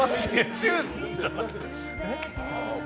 チューすんじゃん？